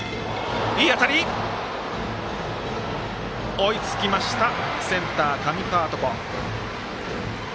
追いつきましたセンター、上川床。